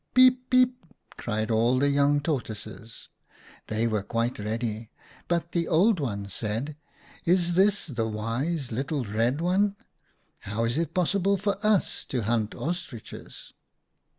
"'Peep! peep!' cried all the young Tor toises : they were quite ready. But the Oid Ones said, ■ Is this the wise little Red One ? How is it possible for us to hunt Ostriches